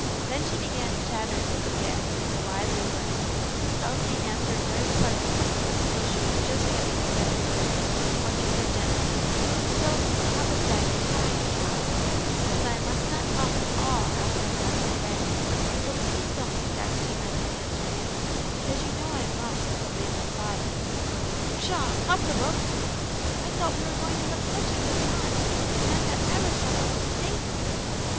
Then she began chatting again in her lively way, Elsie answering very pleasantly until she was just ready to step into bed, when she said gently, "Sophy, papa said, before I came up, that I must not talk at all after I got into bed, so please don't be vexed if I don't answer you, because you know I must obey my father." "Pshaw! how provoking. I thought we were going to have such a good time, and I've got ever so much to say to you."